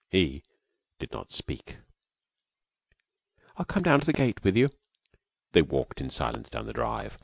He did not speak. 'I'll come down to the gate with you.' They walked in silence down the drive.